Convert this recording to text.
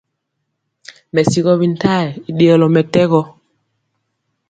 Mɛsigɔ bintayɛ i ɗeyɔlɔ mɛtɛgɔ.